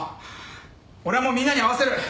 俺はもうみんなに合わせる。